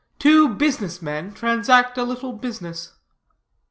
TWO BUSINESS MEN TRANSACT A LITTLE BUSINESS.